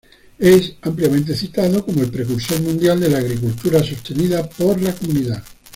Es ampliamente citado como el precursor mundial de la agricultura sostenida por la comunidad.